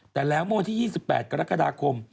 แต่แล้วโมงที่๒๘กรกฎาคม